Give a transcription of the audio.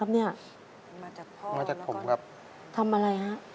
มาจากพ่อและก็ทำอะไรครับ